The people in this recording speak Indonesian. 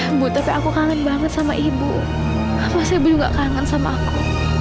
ibu tapi aku kangen banget sama ibu masa ibu nggak kangen sama aku